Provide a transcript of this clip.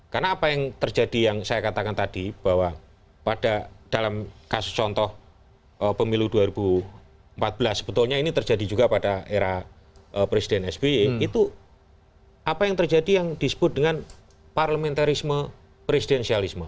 karena apa yang terjadi yang saya katakan tadi bahwa pada dalam kasus contoh pemilu dua ribu empat belas sebetulnya ini terjadi juga pada era presiden sby itu apa yang terjadi yang disebut dengan parlementarisme presidensialisme